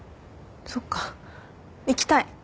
そっか行きたい。